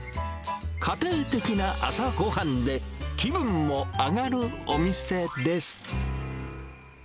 家庭的な朝ごはんで、気分も上がるお店です。